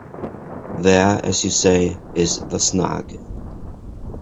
There, as you say, is the snag.